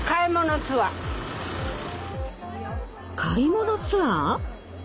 買い物ツアー！？